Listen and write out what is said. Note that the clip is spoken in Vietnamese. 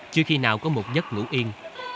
chưa khi nào có một giấc ngủ yên